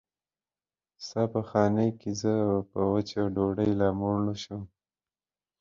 ستا په خانۍ کې زه په وچه ډوډۍ لا موړ نه شوم.